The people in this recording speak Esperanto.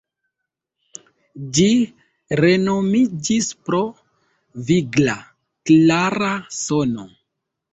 Ĝi renomiĝis pro vigla, klara sono.